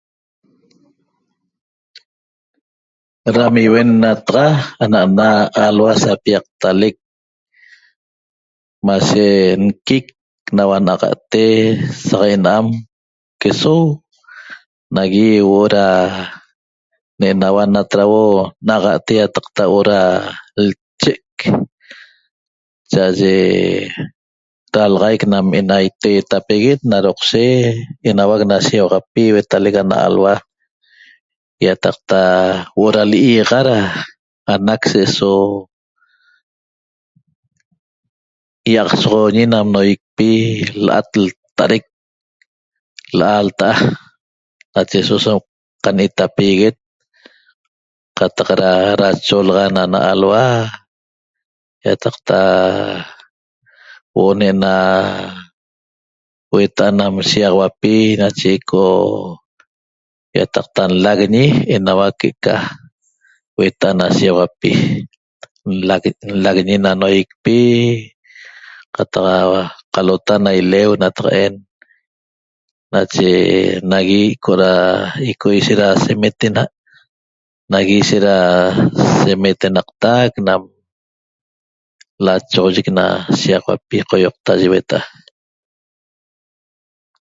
Dam iuennataxa anam na alhua sapiaqtalec mashe nqui'c naua naxa'te saq ena'am quesoom nagui huo'o da ne'enaua natrauo naxa'te yataqtauo da lchec cha'aye dalaxaic nam ena iteetapeguet na doqshe enauac na shiyaxauapi huetalec ana alhua yataqta huo'o da lliyaxa da anac se'eso yaxasoxooñi na noyicpi l'at lta'adaic l'at lta'a nacheso so qañetape'eguet qataq da dacholaxan ana alhua yataqta huo'o ne'ena hueta'a nam shiyaxauapi nache qo yataqta nlaguiñi enauac que'eca hueta'a na shiyaxauapi nlagui- nlaguiñi na noyicpi qataq qalota na ileu nataqa'en nache nagui ico' da ico' ishet da semetenaq nagui ishet da semetenaqtac nam lachogoyic na shiyaxauapi qoyoqta yi hueta'a